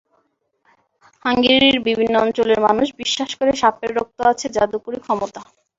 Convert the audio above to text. হাঙ্গেরির বিভিন্ন অঞ্চলের মানুষ বিশ্বাস করে সাপের রক্তে আছে জাদুকরি ক্ষমতা।